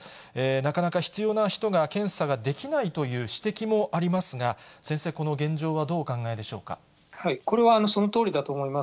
なかなか必要な人が検査ができないという指摘もありますが、先生、これはそのとおりだと思います。